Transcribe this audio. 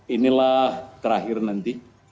inilah terakhir nanti